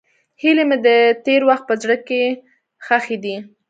هیلې مې د تېر وخت په زړه کې ښخې دي.